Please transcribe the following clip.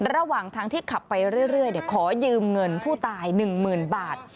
ระหว่างทางที่ขับไปเรื่อยขอยืมเงินผู้ตาย๑๐๐๐บาท